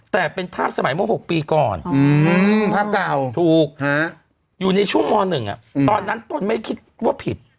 แต่เป็นภาพสมัยเมื่อ๖ปีก่อนภาพเก่าถูกอยู่ในช่วงม๑ตอนนั้นตนไม่คิดว่าผิด